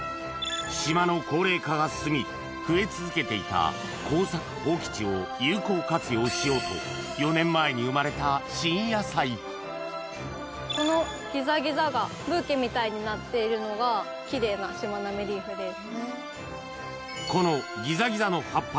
島の高齢化が進み増え続けていた耕作放棄地を有効活用しようとこのギザギザがブーケみたいになっているのがキレイなしまなみリーフです。